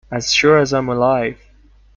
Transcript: As sure as I am alive.